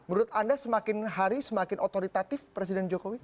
menurut anda semakin hari semakin otoritatif presiden jokowi